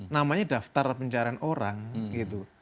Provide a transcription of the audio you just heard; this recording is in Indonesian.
namanya daftar pencarian orang gitu